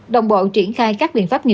đồng bộ triển khai các bộ phòng cháy chữa cháy